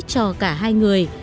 cho cả hai người